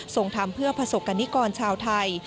ส่งทำเพื่อประสบกรณิกรชาวไทย